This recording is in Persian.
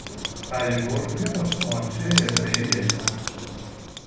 فریبرز یه مشتمالچی حرفهایه